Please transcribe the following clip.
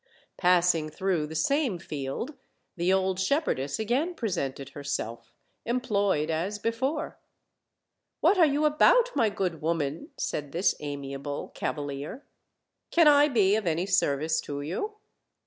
Passing through the same field, the old shepherdess again presented herself, employed as before. "What are you about, my good woman?" said this amiable cava lier; "can I be of any service to you?"